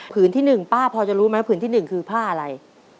ที่๑ป้าพอจะรู้ไหมผืนที่๑คือผ้าอะไร